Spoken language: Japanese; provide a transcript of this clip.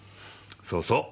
そうそう。